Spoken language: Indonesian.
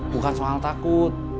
bukan soal takut